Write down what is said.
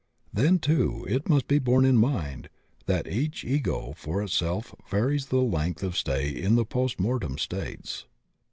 Then too it must be borne in mind that each ego for itself varies the length of stay in the post mortem states.